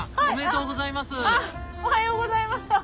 おめでとうございます！